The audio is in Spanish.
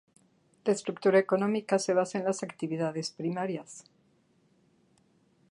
La estructura económica se basa en las actividades primarias.